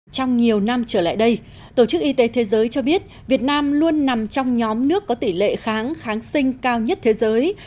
trong nhiều năm trở lại đây tổ chức y tế thế giới cho biết việt nam luôn nằm trong nhóm nước có tỷ lệ kháng kháng sinh cao nhất thế giới